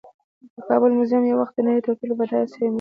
د کابل میوزیم یو وخت د نړۍ تر ټولو بډایه آسیايي میوزیم و